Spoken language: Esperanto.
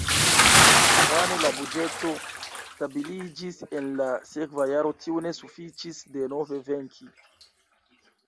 Vane la buĝeto stabiliĝis, en la sekva jaro tio ne sufiĉis denove venki.